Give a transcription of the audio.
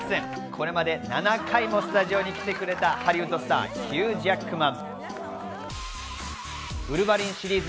これまで７回もスタジオに来てくれたハリウッドスター、ヒュー・ジャックマン。